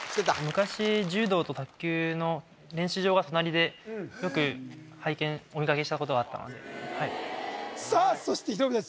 昔柔道と卓球の練習場が隣でよく拝見お見かけしたことがあったのでさあそしてヒロミさん